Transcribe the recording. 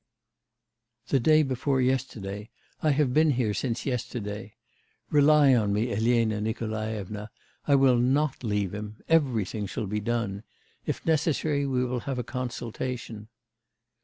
'The day before yesterday; I have been here since yesterday. Rely on me, Elena Nikolaevna. I will not leave him; everything shall be done. If necessary, we will have a consultation.